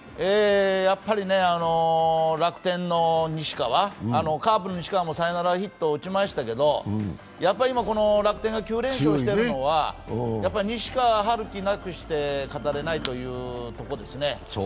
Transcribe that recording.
やっぱり楽天の西川、カープの西川もサヨナラヒットを打ちましたけど、楽天が９連勝しているのは西川遥輝なくして語れないということですね。